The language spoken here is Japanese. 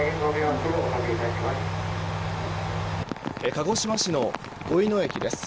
鹿児島市の五位野駅です。